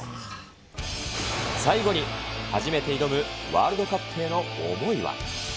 最後に、初めて挑むワールドカップへの思いは。